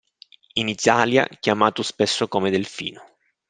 In Italia chiamato spesso come delfino.